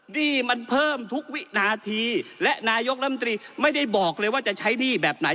หนี้มันเพิ่มทุกวินาทีและนายกรัฐมนตรีไม่ได้บอกเลยว่าจะใช้หนี้แบบไหน